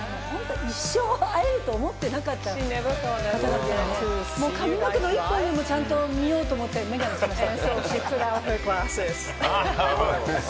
一生、会えると思ってなかった方なんで、髪の毛の１本でもちゃんと見ようと思って眼鏡をかけました。